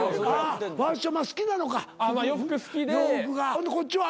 ほんでこっちは？